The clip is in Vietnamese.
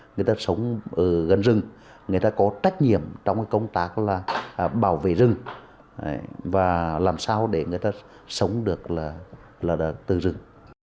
người ta sống ở gần rừng người ta có trách nhiệm trong công tác là bảo vệ rừng và làm sao để người ta sống được từ rừng